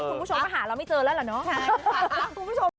คุณผู้ชมก็หาเราไม่เจอแล้วเหรอเนาะ